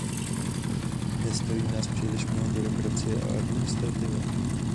Nestojí nás příliš mnoho byrokracie a administrativa?